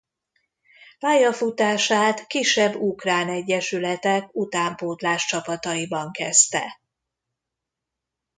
Pályafutását kisebb ukrán egyesületek utánpótláscsapataiban kezdte.